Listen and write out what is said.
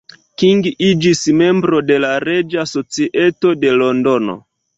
King iĝis membro de la Reĝa Societo de Londono.